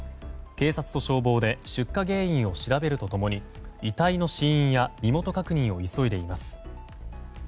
警察と消防で出火原因を調べると共に遺体の死因や身元確認を急いでいます。